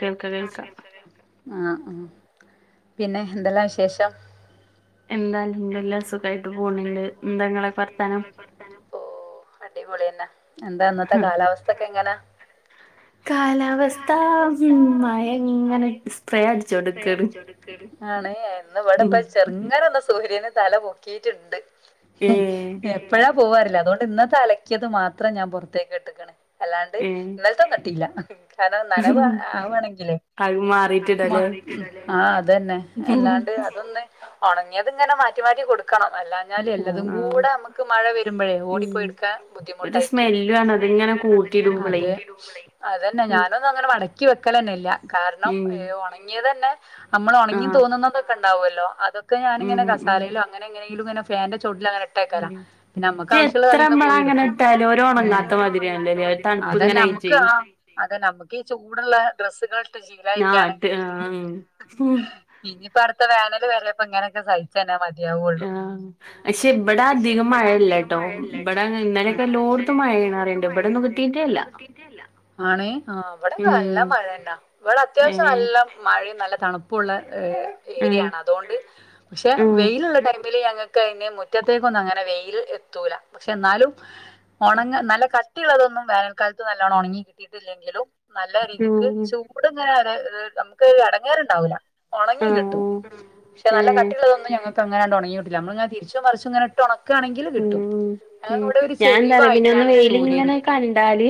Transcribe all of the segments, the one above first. കേൾക്ക കേൾക്കാം കേക്ക കേക്കാ ആഹ് ആഹ് പിന്നെ എന്തെല്ലാം വിശേഷം എന്താ ഇങ്ങേല്ലാം സുഖായിട്ട് പോണ്‌ണ്ട് എന്താ ങ്ങളെക്കെ വർത്താനം പ്പോ അടിപൊളിയന്നെ എന്താ ഇന്നത്തെ കാലാവസ്ഥ ഒക്കെ എങ്ങനാ കാലാവസ്ഥ മ്മ് മഴ ഇങ്ങനെ സ്പ്രേ അടിച്ചോണ്ട്ക്കാണ് ആണേ ഇന്നിവിടെ ഉം ഇപ്പ ചെറുങ്ങനൊന്ന സൂര്യന് തല പൊക്കീട്ടുണ്ട് ഉം ഏഹ് എപ്പഴാ പോവാറില്ല അതുകൊണ്ട് ഇന്നത്തെ അലക്കിയത് മാത്രം ഞാൻ പുറത്തേക്ക് ഇട്ടേക്കണെ അല്ലാണ്ട് ഏഹ് ഇന്നലത്തെ കട്ടീല്ലാ കാരണം നനവെ ആവാണെങ്കിലേ അത് മാറിട്ടിടലേ ആ അതന്നെ അല്ലാണ്ട് ആഹ് അതൊന്നെ ഒണങ്ങിയതിങ്ങനെ മാറ്റി മാറ്റി കൊടുക്ക് ക്കണം അല്ലാഞ്ഞല് എല്ലതും ആഹ് കൂടെ നമ്മക്ക് മഴ വരുമ്പഴേ ഓടിപ്പോയെ ഉം ടുക്കാൻ ഒരു ബുദ്ധിമുട്ടായിക്കും സ്മെല്ലു ആണ് അതിങ്ങനെ കൂട്ടിയിടുമ്പളേ അതെ അതെ പിന്നെ ഞാനൊന്നും അങ്ങനെ മടക്കി വെക്കലന്നെ ഇല്ല കാരണം ഉം ഈ ഒണങ്ങിയതന്നെ അമ്മളൊണങ്ങി ആഹ് തോന്നുന്നതൊക്കെ ഉണ്ടാവുമല്ലോ അതൊക്കെ ഉം ഞാനിങ്ങനെ ഉം കസാലയിലാക് അങ്ങനെ എങ്ങനെങ്കിലും ഇങ്ങനെ ഫാന്റെ ചോട്ടിലങ്ങനെ ട്ടേക്കല്ല ഉം പിന്നാ മ്മക്ക് പക്ഷെ ആവശ്യൊള്ള എത്ര അതിന്ന് നമ്മള് പോയി അങ്ങനെ എടുക്കും ഇട്ടാലും ഒരു ഉം ഒണങ്ങാത്ത മാതിരിയാണല്ലോല്ലേ തണുപ്പ് ഇങ്ങനെ അതന്നെ മ്മ ആയിട്ടേ ക്കാ ആഹ് അതന്നെ നമ്മുക്കീ ചൂടുള്ളേ ഡ്രസ്സുകളിട്ട് ആഹ് ശീലായിട്ടാണ് ഇട്ട് ആഹ് ഉം ഇനിയിപ്പ അടുത്ത വേനലു വരപ്പ ഇങ്ങനെയൊക്കെ സഹി ആ ശ്ശേ ഇവിടധികം മഴയില്ലേട്ടോ ഇവിട ഇന്നേലൊക്കെ ലോഡ് ത്തു മഴയിണറിയെണ്ടു ഇബിടുന്നു കിട്ടീട്ടേ ഇല്ല ആണേ ആ അവിടെ നല്ല ഉം മഴേന്നാ ഇവിടത്യാശം ഏഹ് നല്ല മഴേം നല്ല തണുപ്പുള്ള ഏ ആഹ് ഏരിയാണ് അതോണ്ട് പക്ഷെ ഉം വെയിലുള്ള ടൈമിലെ ഞങ്ങക്ക് അയിന് മുറ്റത്തേക്കൊന്നും അങ്ങനെ വെയിൽ എത്തൂല പക്ഷെ എന്നാലും ഉണങ്ങ് നല്ല കട്ടിയുള്ളതൊന്നും വേനൽക്കാലത്ത് നല്ലോണം ഒണങ്ങി കിട്ട് കിട്ടിയിട്ടില്ലെങ്കിലും നല്ല രീതിക്ക് ഉം ചൂടിങ്ങനെ ര് ര് നമുക്ക് എടങ്ങേറുണ്ടാവൂല ഒണങ്ങി ആഹ് കിട്ടും പക്ഷെ നല്ല ഏഹ് കട്ടിയു ള്ളതൊന്നും ഞങ്ങക്കങ്ങനാണ്ടെ ഒണങ്ങി കിട്ടൂല നമ്മളിങ്ങനെ തിരിച്ചും മറിച്ചും ഇങ്ങനെ ഇട്ടൊണക്കയാണെങ്കിൽ ഉം കിട്ടും ഉം മ്മ് ഞങ്ങൾക്ക് ഇവിടെ ഒരു ഞാൻ ന്തറിയോ പിന്നെ ഒന്ന് ചെരിവായിട്ടാണ് വെയിലിങ്ങനെ സൂര്യന് കണ്ടാല്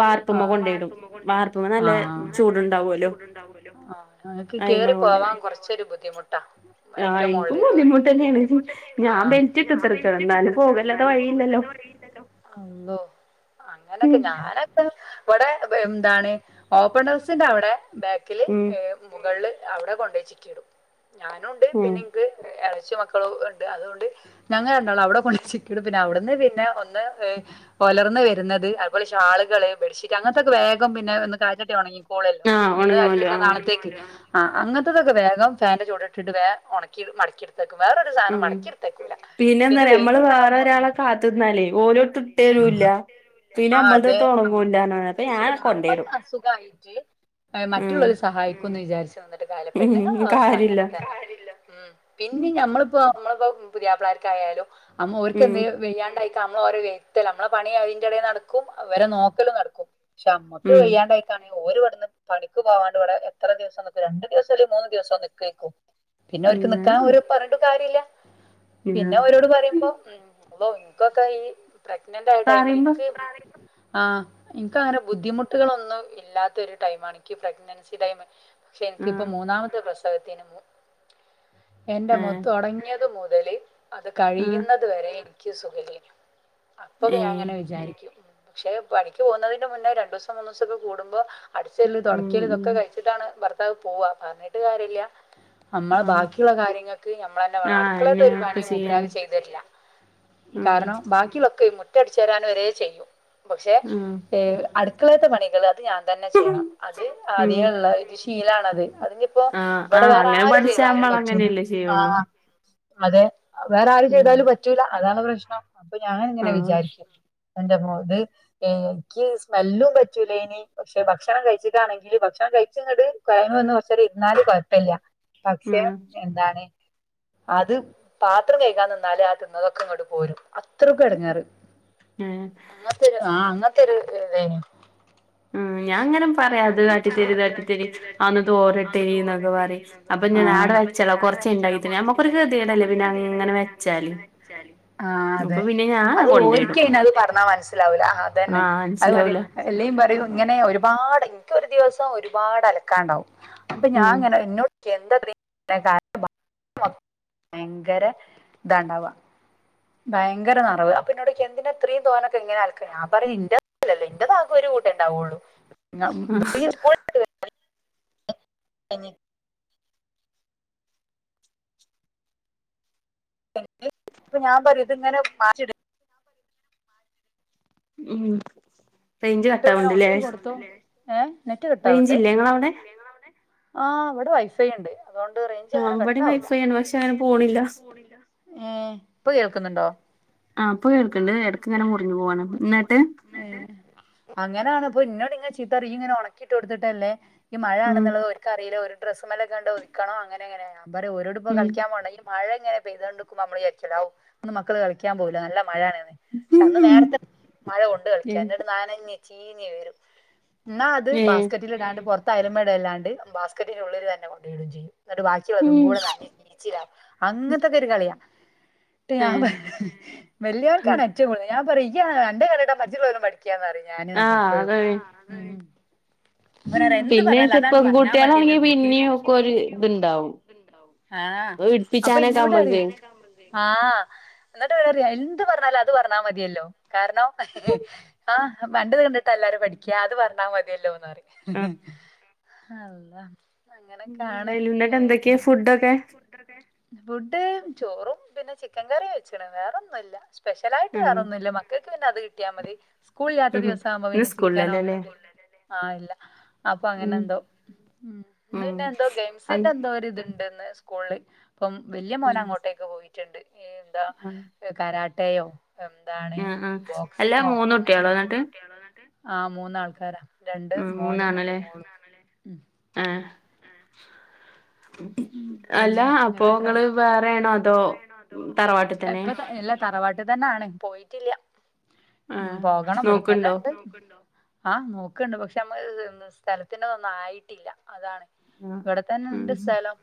വാർ ആ ട്ടുമ്മ കൊണ്ടോയിടും വാർപ്പുമ്മേ നല്ല ചൂടുണ്ടാവുവല്ലോ ഉണ്ടാവുല്ലോ ആ ങ്ങക്കെ കേറി പോവാൻ കുറച്ചൊരു ബുദ്ധിമുട്ടാ ആഹ് ഏറ്റോം എനിക്കും മോളിലേക്ക് ബുദ്ധിമുട്ട് അതിപ്പോ തന്നെയാണ് മുദ്ധിമുട്ടെന്നേണ്. ആ ഞാൻ ബെൽറ്റ് ഇട്ട് ഞാൻ കുത്തിർക്കാണ് ബെൽറ്റിട്ട് എന്നാലും കുത്രക്കാണ് പോകല്ലാതെ ഇന്നാലും വഴിയില്ലല്ലോ പോകല്ലാതെ വഴിയില്ലല്ലോ. അള്ളോ ഉം അങ്ങനൊക്കെ ഞാന ഇവിടെ എന്താണ് ഓപ്പൺ ടെസിന്റെ അവിടെ ബാക്കിൽ ഉം. മുകളിൽ അവിടെ കൊണ്ടോയി ചിക്കിടും. ഞാനുണ്ടാ ഉം. ക്ക് എളച്ചി മക്കളും ഉണ്ട് അതുകൊണ്ട് ഞങ്ങരണ്ടാളു അവിടെ കൊണ്ടോയി ചിക്കിടും പിന്നെ അവിടുന്ന് പിന്നെ ഒന്ന് ഏ പൊലർന്നു വര്ന്നത് അതുപോലെ ഷാളുകള് ബെഡ്ഷീ അങ്ങനത്തൊക്കെ വേഗം പിന്നെ ഒന്ന് കാറ്റ് കിട്ടി ഒണങ്ങി കോളല്ലോ ആഹ് ഒന്ന് ഉണങ്ങുവല്ലോ അരിക്കുന്ന ആഹ് നാളെത്തേക്ക് ആഹ് അങ്ങത്തതൊക്കെ വേഗം ഫാന്റെ ചൂടട്ടിട്ട് വേം ഒണക്കി മടക്കി എട് ഉം പിന്നെ പിന്നെന്താറിയോ അമ്മള് വെയിലുണ്ടാവുമ്പോ വേറൊരാളെ കാത്ത്ന്നാലെ ഓലോട്ടു തെരൂല്ല പിന്നെ ആ അതെ അമ്മൾതൊട്ട് ആ ഒണങ്ങൂലന്ന് പറ അത് ശരിയാ അമ്മക്ക്അസുഖായിറ്റ് ഉം മറ്റുള്ളൊരു സഹായിക്കുന്ന് വിചാരിച്ച് നിന്നി ട്ട്ക്കായാലും പെണ്ണ് ങ്ങളെ ഉം അവസ്ഥ കാര്യല്ല അങ്ങനെ തന്നെ. കാര്യല്ല ഉം പിന്നീം ഞമ്മള്പോ അമ്മളിപ്പോ പുതിയാപ്പളാർക്കായാലും അമ്മ ഉം ഓർക്കെന്തേലും വയ്യാണ്ടായി ക്കഅമ്മളഓരൊ വൈതല അമ്മള പണി അയിന്റെടെ നടക്കും. അവരെ നോക്കലും നടക്കും. ഷെ അമ്മക്ക് ഉം വയ്യാണ്ടായി താണ് ഓര് ഇവ്ടന്ന് പണിക്ക് പോവാണ്ടിവിടെ എത്ര ദിവസം നിക്കും രണ്ടു ദിവസംല്ലെമൂന്ന് ദിവസം നിക്കേക്കും. പിന്നെ ഓര്ക്ക് നിക്കാ ഓര് പറഞ്ഞിട്ടും കാര്യല്ല. പിന്ന ഉം ഓരോട് പറയുമ്പോ അള്ളോ ഇൻക്കൊക്കെ ഈ പ്രഗ്നന്റായടൈമില് പറയുമ്പോ ഇൻക്ക് ഇവിടാരേം ആഹ്. ഇന്കഅങ്ങനെ ബുദ്ധിമുട്ടുകളൊന്നും ഇല്ലാതൊരു ടൈമാണ് ഇന്ക് പ്രഗ്നൻസി ടൈമ്. ഷെ എന്ക്കിപ്പൊ ആഹ് മൂന്നാമത്തെ പ്രസവത്തിനും എന്റമ്മോ ഏഹ് തൊടങ്ങിയത് മുതല് അത് ആഹ് കഴിയുന്ന ഇതുവരെ എനിക്ക് സുഖല്ലേനി അപ്പൊക്കെ ഞാൻ ഏഹ് അങ്ങനെ വിചാരിക്കും പക്ഷെ പണിക്ക് ക്ക് പോകുന്നതിന്റെ മുന്നേ രണ്ട്സോ മൂന്ന്സോക്കെ കൂടുമ്പോ അടിചോരലും ഉം തൊടക്കലും ഉം ഇതൊക്കെ കഴി ട്ടാണ് ഭർത്താവ് പോവാ പറഞ്ഞിട്ട് കാര്യയില്ല അമ്മള ആഹ് ബാക്കിയൊള്ള കാര്യങ്ങക്ക് ഞമ്മളെന്നെ വേണം ആഹ് അടുക്കളത്തെ എന്നെ ഒരു ഒക്കെ പണിയും ചെയ്യാൻ മൂപ്പരാള് ചെയ്തെരില്ല. ഉം കാരണം ബാക്കിളൊക്കെ മുറ്റടിച്ചു വാരാൻവരെ ചെയ്യും പക്ഷെ ആഹ്. ഏ അടുക്കളേത്തെ പണികള് അത് ഞാൻ തന്നെ ചെയ്യണം. അത് ഉം ആദ്യേള്ള ഒരു ഷീ ശീലാണത് അതിഞ്ഞിപ്പോ ആഹ് ഇവിട ആഹ് വേറെ അങ്ങനെ ആര് പഠിച്ചാ ചെയ്താലും പറ്റും. നമ്മളങ്ങനെയല്ലേ ആ ചെയ്യുള്ളൂ അതെ വേറെ ആര് ഉം ചെയ്താലും പറ്റൂല, അതാണ് പ്രശ്നം. അപ്പൊ ഞാനിങ്ങനെ ആഹ് വിചാരിക്കും. എന്റെമ്മോ ത് ഏ ഇക് സ്മെല്ലും പറ്റൂലേയ്നി. പക്ഷെ ഭക്ഷണം കഴിച്ചിട്ടാണെങ്കില് ഭക്ഷണം കഴിച്ചിങ്ങട് കൊഴങ്ങി വന്ന്‌ കൊറച്ചേരം ഇരുന്നാല് കൊഴപ്പില്ല. പക്ഷെ ആഹ് എന്താണ് അത് പാത്രം കഴികാ നിന്നാല് ആ തിന്നതൊക്ക ഇങ്ങോട്ട് പോരും. അത്രക്കും എടങ്ങെറ് ഏഹ് അങ്ങത്തെരു ആ അങ്ങത്തോരു ഇതായ്നു. ഉം ഞാങ്ങനെ പറയും അത് കാട്ടിത്തെരി, ഇത് കാട്ടിത്തെരി, അഒന്ന് തോരട്ടരിന്നൊക്കെ പറയും. അപ്പൊന്നോട ആഹ് ആടെ വച്ചെള കുറച്ചെഇണ്ടാക്കിതെര ഞമ്മക്കൊരു കേതേടല്ലേ പിന്നെ അങ്ങനെ വെച്ചാല് ആ അപ്പൊ അതെ. പിന്നെ ഞാൻ അത് കൊണ്ടോയിടും ഓര്ക്കെയ്നത് പറഞ്ഞാ മനസ്സിലാവൂല. ആ അതന്നെ. ആഹ് മനസ്സിലാവൂല അത്പറയും എല്ലെയീ പറയും ഇങ്ങനെ ഒരുപാട് ഇൻക്കൊരു ദിവസം ഒരുപാട് അലക്കാണ്ടാവും. അപ്പ ഉം ഞാങ്ങനെ എന്നോ കെന്താ കാ ഭയങ്കര ഇതായിണ്ടാവുക ഭയങ്കര നെറവ് അപ്പന്നോടൊയിക്കും എന്തിനാ ഇത്രയും തോനൊക്കെ ഇങ്ങനെ അലക്ക്ണേ അപ്പൊ ഞാ പറയും ഇന്റെതല്ലല്ലോ ഇന്റെതാ ഒരു കൂട്ടേ ണ്ടാവുള്ളൂ ആഹ് [unintelligible] [unintelligible] പ്പൊ ഞാ പറയും ഇത് ഇങ്ങനെ മാറ്റിട ഉം റെയിഞ്ച് ഇങ്ങനെ കട്ടാവ്ണ്ട്ല്ലേ. ഉണക്കി കൊടുത്തു ഏഹ് നെറ്റ് കട്ടാവ്‌ണ്ട് റേഞ്ചില്ലേ ഇങ്ങളവിടെ ആ ഇവടെ വൈഫൈ ഇണ്ട്. അതോണ്ട് റേഞ്ച് ആഹ് അങ്ങനെ ഇവടിം കട്ടാവൂല. വൈഫൈയാണ് പക്ഷെ അങ്ങനെ പോണില്ല ഉം ഇപ്പൊ കേൾക്കുന്നുണ്ടോ? ആഹ് പ്പോ കേൾക്ക്ണ്ട് എടക്ക്ങ്ങനെ മുറിഞ്ഞ് പോവാണ് ന്നിട്ട് ഏഹ് അങ്ങനാന്ന് ഇപ്പൊ ഇന്നോട് ഇങ്ങെ ചീത്തറിയു ഇയ്യ് ഇങ്ങനെ ഉണക്കിട്ട് കൊടുത്തിട്ടല്ലേ ഈ മഴ ഉം ആണെന്നുള്ളത് ഓ ഇക്കറിയില്ല ഒരു ഡ്രസ്സ്മേല്ങ്ങാണ്ട് ഒതുക്കാണോ അങ്ങനെങ്ങനെയാ ഞാൻ പറയു ഓരോട് ഇപ്പ ഉം കളിക്കാൻ പോണ്ട മഴ ഇങ്ങനെ പെയ്തതോണ്ടിക്കുമ്പോ നമ്മള് വിജാരിക്കോലോ ഔവ് ഇന്ന് മക്കള് കളിക്കാൻ പോവുല്ല നല്ല മഴേണ്ന്ന് പക്ഷെ അന്ന് നേരത്തെ മഴ കൊണ്ട് കളിക്കാൻ ഏഹ് എന്നിട്ട് നനഞ്ഞ് ചീഞ്ഞ് വരും ന്നാ അത് ഏഹ് ബാസ്ക്കറ്റിലിടാണ്ട് പുറത്തയലിമ്മടാണ്ട് ബാസ്ക്കറ്റിന്റെ ഉള്ളിലെന്നെ കൊണ്ടോയിടും ചെയ്യും ന്നിട്ട് വാ [unintelligible] അതുംകൂടെ [unintelligible] അങ്ങനത്തൊക്കൊരു കളിയാ ട്ട് ഞാൻ ഏഹ് പ വെല്യോർക്കാണ് ഏറ്റവും കൂടുതൽ, ഞാൻ പറയും ഈയ് അൻ്റെ കണ്ടിട്ടാണ് മറ്റുള്ളവരും പഠിക്കാന്ന് പറയും ഞാന് ന്നട്ട് ആഹ് എപ്പഴും അതാണേ ഓനറയാ എന്ത്‌ പിന്നെ പറഞ്ഞാലു അതാ ചെപ്പം പറഞ്ഞാ കുട്ടികളാണെങ്കി മതിയെലോങ്ങക് പിന്നെയും ഒക്കെ ഒരു ഇത്ണ്ടാവും ആഹ് ഇടിപ്പിച്ചാനൊക്കെ നമ്മക്ക് അപ്പൊന്നോടറിയും ആഹ് എന്നിട്ട് ഓൻപറയ എന്ത്റഞ്ഞാലും അത് പറഞ്ഞാ മതിയല്ലോ കാരണം ആഹ് ആന്റത് കണ്ടിട്ടല്ലാരും പഠിക്ക അത് പറഞ്ഞാൽ മതിയല്ലോന്ന് പറിം അള്ളാഹ് [unintelligible] എന്തൊക്കെ ഫുഡൊക്കേ ഫുഡ് ചോറും പിന്നെ ചിക്കൻ കറിം വെച്ച് ക്ക്ണ് വേറൊന്നുല്ല സ്പെഷ്യലായിട്ട് ഉം വേറൊന്നുല്ല മക്കൾക്ക് പിന്നെ അത് കിട്ടിയാ മതി സ്കൂളില്ലാത്ത ഉം ദിവസാവുമ്പോ ഇന്ന് പിന്നെ ചിക്കനോ അങ്ങനെ സ്കൂളിലല്ലല്ലേ എന്തെ ആഹ് ഇല്ല അപ്പൊ അങ്ങനെ ഉം എന്തോ ഉം ഇന്ന് ഉം പിന്നെ എന്തോ അൻ ഗെയിംസിന്റെ എന്തോ ന്തോര്ത്ണ്ട്ന്ന് സ്കൂളില് അപ്പം വല്ല്യ ഉം മോനങ്ങോട്ടേക്ക് പോയിട്ടുണ്ട് എന്താ ഉം കരാട്ടയോ എന്താണ് ആഹ് ആഹ് അല്ല ബോക്സിങ്ങോ മൂന്ന് അങ്ങനെ കുട്ടികളോ [unintelligible] എന്നിട്ട് ഇങ്ങക്ക് ആഹ് മൂന്നാൾക്കാരാ രണ്ട് ഉം മോനും മൂന്നാള് ഒരു ല്ലേ മോളും ഉം ആഹ് ഉം അല്ല പിന്നെ ഇങ്ങക്ക് എത്ര അപ്പൊങ്ങള് ആളാ വേറെണോ അതോ തറവാട് തന്നെ തറവാട്ട്തന്നാണ് പോയിട്ടില്ല ഉം ആഹ് പോകണം ഇവിടെ നോക്ക്ണ്ടോ തന്നെണ്ട്. ആഹ് നോക്കണ്ട് പക്ഷെ മ്മക്ക് സ്ഥലത്തിന്റെന്നും ആയിട്ടില്ല അതാണ് ആഹ് ഇവ്ടെ ഉം തന്നെണ്ട് സ്ഥലം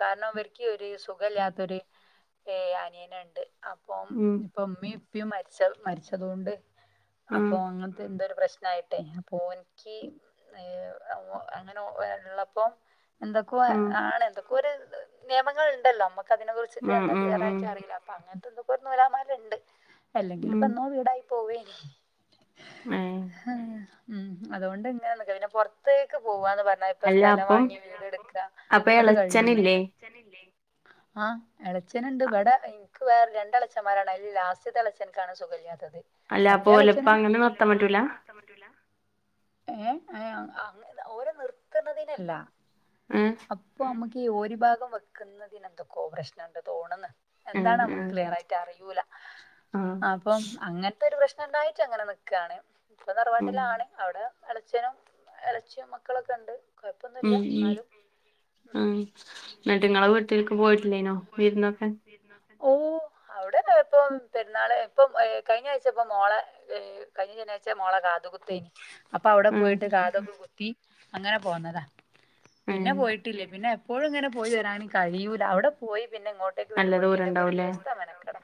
കാരണം ഇവൽക്യു ര് സുഖല്ലാത്തൊരനിയന്ണ്ട് അപ്പോ ഉം അപ്പൊ ഇമ്മീമ്മ ഉപ്പീ മരിച്ച മരിച്ചതുകൊണ്ട് അപ്പൊ ആഹ് അങ്ങനത്തെന്തോ പ്രശ്നം ചെറുതായിട്ടെ അപ്പൊ ഓൻ ക്യ അങ്ങ് അങ്ങനെ വെള്ളപ്പോം എന്തൊക്കോ ആഹ് ആണ് എന്തൊക്കോ ഒരു നിയമങ്ങളുണ്ടല്ലോ നമ്മ എനിക്കതിനെ കുറിച്ചിട്ട് ഉം എന്താ ഉം ക്ലിയർ ഉം ആയിട്ട് അറിയില്ല അപ്പൊ അങ്ങനത്തെ ന്തൊക്കെ ഒരു നൂലാമാലണ്ട് ഉം അല്ലെങ്കിലിപ്പെന്നോ വീടായി പോവേനി ഏഹ് ഉം അതോണ്ട്ങ്ങനെപിന്നെ പൊറത്തേക്ക് പോവന്ന് പറഞ്ഞപ്പ അല്ല സ്ഥലം അപ്പം വാങ്ങി വീടെട്ക്ക അപ്പൊ എളച്ചനില്ലേ ആഹ് എളച്ചന്ണ്ട് ഇബടെ ഇൻക്ക് വേറെ രണ്ട എളച്ചന്മാരാണ് അതിലെ ലാസ്റ്റ്ത്തെളച്ചൻക്കാണ് സുഖല്ലാത്തത് അല്ലപ്പോലപ്പങ്ങനെ നിർത്താൻ പറ്റൂല ഏഹ് ഏഹ് ആഹ് ഓരെ നിർത്ണതിനല്ല ഏഹ് അപ്പൊ മ്മക്കീ ഈ ഓരി ഭാഗം വെക്ക്‌ണ്തിനെന്തൊക്കൊക്കേയോ പ്രശ്നണ്ട് തോന്നണ് ആ ആ എന്താണമ്മക്ക് ക്ലിയറായിട്ടറിയൂല ആ അപ്പോ അങ്ങ ഇപ്പൊരു പ്രശ്നണ്ടായിട്ടങ്ങനെ ന്ക്കാണ് ഇപ്പ ഉം തറവാട്ടിലാണ് അവിടെ എളച്ചനും എളച്ചി മക്കളൊക്കെണ്ട് ഉം കൊഴപ്പൊന്നുല്ലന്നാലും ഉം ന്നിട്ടിങ്ങളെ വീട്ട്ക് പോയിട്ടില്ലേനോ വീരുന്നൊക്കെ ഓഹ് അവിടെല്ലാ ഇപ്പം പെരുന്നാള് ഇപ്പം കഴിഞ്ഞ ആഴ്ചപ്പോ മോളെ കഴിഞ്ഞ ശനിയാഴ്ച മോളേകാത് കുത്തേന് അപ്പൊ അവിടെ ആ പോയിട്ട് കാത്കുത്തി അങ്ങനെ പോന്നതാ ഏ പിന്നെ പോയി യിട്ടില്ല പിന്നെയെപ്പോഴു ഇങ്ങനെ പോയിവരാനും കഴിയൂല അവിടെ പോയി പിന്നെങ്ങോട്ട് നല്ല വരുമ്പോൾ ദൂരം ക്ന് ഒരു ഉണ്ടാവൂലേ ദിവസത്തെ മെനക്കട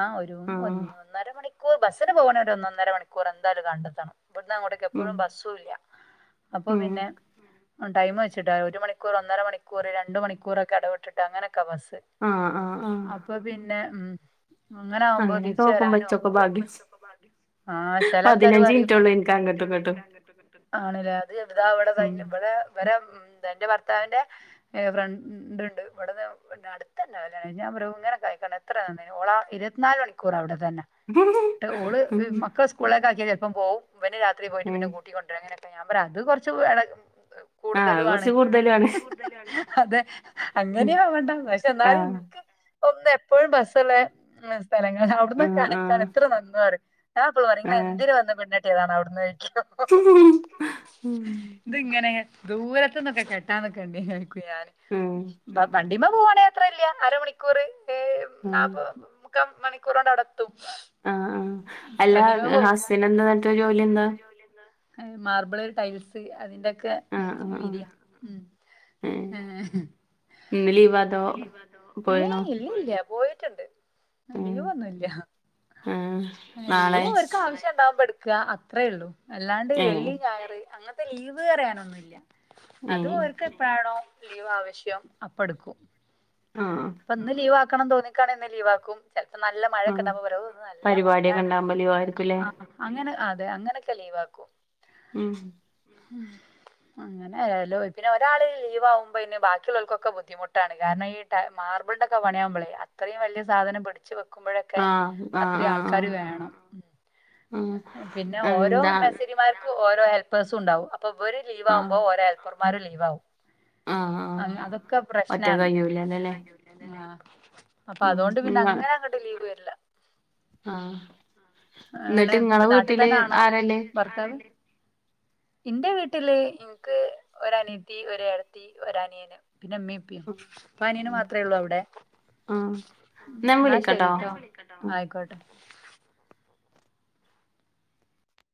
ആ ഒരു ആ ഒ ഒന്നര മണിക്കൂറ് ബസിന് പോവാണെങ്കിൽ ഒര് ഒന്നര മണിക്കൂർ എന്താലും കണ്ടെത്തണം ഇവിടുന്നങ്ങോട്ട ഉം എപ്പഴും ബസും ഇല്ല അപ്പോ ഉം പിന്നെ ടൈമ് വെച്ചിട്ട ഒരു മണി ക്കൂറ് ഒന്നര മണിക്കൂറ് രണ്ട് മണിക്കൂറെക്കെ എടവിട്ടിട്ടാ അങ്ങനൊക്കെ ബസ് ആ ആ ആ പ്പൊ പിന്നെ ഉം അങ്ങനാവുമ്പോ അങ്ങനെയൊക്കെ തിരിച്ച് നോക്കുമ്പോ ഇച്ചൊക്കെ വെരാനൊക്കെ ഭാഗ്യം ആഹ് ചെല ആൾക്കാര് പതിനഞ്ച് പറയും മിനിറ്റൊള്ളൂ ബസ്സിന്‌ എനിക്ക് സീറ്റ് അങ്ങട്ടും ഉള്ളൂ ഇങ്ങട്ടും ഇരിക്കാൻ പറ്റുന്നുണ്ട്. ആണല്ലേ അത് എന്താവിടെ ഉം ഇവിടെ വെരം തെന്റെ ഭർത്താവിന്റെ എ ഫ്രണ്ട്ണ്ട് ഇവ്ട്ന്ന് അട്ത്തെന്നെ [unintelligible] ഞാൻ പറയും ഇങ്ങനെ കായികണ് ത്രന്നെ ഓളാ ഇരുത്തിനാല് മണിക്കൂർ അവടെതെന്ന ഓള് ഉം മക്കളെ സ്കൂളിലേക്കാകി ചെല്പം പോവും ഇവന് രാത്രി പോയിട്ട് ഏ പിന്നെ കൂട്ടിക്കൊണ്ടുവര ങ്ങനെ. ഞാൻ പറ അത് കൊറച്ച് എടക് ആഹ് അത് കൊറച്ച് കൂടുതലാണ്. അതെ അങ്ങനെയാ വേണ്ടേ പക്ഷെ ആ ന്നാലും ഇന്ക്ക് ഒന്ന് എപ്പോഴും ബസ്സല്ലേ സ്ഥലങ്ങൾ ആ അവിടന്നൊക്കെ ആ എത്ര [unintelligible] ഞ പ്പളും പറയും ആ ങ്ങള് എന്തിന് വന്ന് പെണ്ണ് കെട്ടിയതാണവ്ട്ന്ന് ഉം ഇത്ങ്ങനെ ദൂരത്ത്ന്നൊക്കെ കെട്ടാന്നിക്കണ്ടിനോ ക്കു ഞാന് ഉം വണ്ടിമ്മ പോവാണേ അത്രല്ല അരമണി ക്കൂറ് ഏഹ് ഉം നാപ്പത് മുക്കാ മണിക്കൂറോണ്ടവടെത്തും ആഹ് ആഹ് അല്ല വണ്ടീമേ പോവും ഹസ്സിന് എന്താ എന്നിട്ട് ജോലി എന്താ ഈ മാർബിള്, ടൈൽസ് അയ്ന്റൊക്കെ വിരിയാ ഉം ഇന്ന് ലീവാതോ പോയെണോ? ഇന്നില്ല പോയിറ്റ്ണ്ട് ലീവൊന്നുല്ല ആഹ് ലീവ് നാളെ ഓര്ക്ക് ആവശ്യണ്ടാമ്പോ ട്ക്ക അത്രേള്ളൂ അല്ലാണ്ട് ഏഹ് വെള്ളി ഞായറ് അങ്ങൻത്തെ ലീവ്റയാനൊന്നുല്ല അത് ഏഹ് ഓൽക്ക് എപ്പഴാണോ ലീവാവശ്യം അപ്പെട്ക്കും ആഹ്. അപ്പൊന്ന് ലീവാക്കണം തോന്നിക്കാണ് ഇന്ന് ലീവാക്കും. ചെലപ്പോ നല്ല മഴൊക്കെ ആഹ് ഇണ്ടമ്പോ വരും നല്ല പരിപാടിയൊക്കെ മഴാണ്. ഉണ്ടാവുമ്പോ ലീവായിരിക്കുംല്ലേ ആഹ് അങ്ങനെ അതെ അങ്ങനൊക്കെ ലീവാക്കും ഉം ഉം [unintelligible] അങ്ങനൊലോ പിന്നെ ഒരാള് ലീവാവുമ്പ പിന്നെ ബാക്കിയുള്ളർക്കൊക്കെ ബുദ്ധിമുട്ടാണ് കാരണം ഈ മാർബിൾണ്ടോക്കെ പണിയാവുമ്പോളെ അത്രയും വലിയ സാധനം പിടിച്ചു വെ നൊക്കുമ്പോഴൊക്കെ ആഹ് ആഹ് അത്ര ആഹ് ആൾക്കാര് ആഹ് വേണം. ആഹ് പിന്നെ ഓരോ എന്താ മേസിരിയും ല്ലർക്കു ഓരോ ഹെൽപേഴ്സുണ്ടാവും. അപ്പൊ ഇവര് ആഹ് ലീവാമ്പോ ഓരോ ഹെൽപ്പർമാരും ലീവാവും. ആഹ് ആഹ് അങ് അതൊക്കെ ഒറ്റക്ക് പ്രശ്നാണ് കഴിയൂലല്ലോല്ലേ അ അപ്പ ഉം അതോണ്ട് പിന്നെ അങ്ങനങ്ങട്ട് ലീവെര്ല്ല ആ ന്ന്ട്ട് ങ്ങളെ വീട്ടില് ആരാല്ലേ ന്താണ്? ന്റെ വീട്ടില് ഇൻക്ക് ഒരനിയത്തി ഒരേട്ത്തി ഒരനിയന് പിന്നെ മ്മേം പി പ്പ നിയന് ആഹ് മാത്രേള്ളൂ അവടെ ആഹ് എന്നാ ഞാൻ ന്നാ ശെരിട്ടോ വിളിക്കാട്ടോ ആയിക്കോട്ടെ.